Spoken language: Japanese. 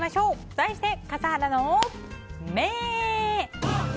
題して、笠原の眼！